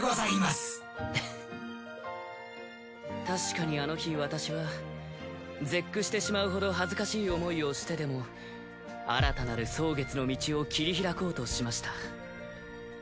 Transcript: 確かにあの日私は絶句してしまうほど恥ずかしい思いをしてでも新たなる蒼月の道を切り開こうとしました。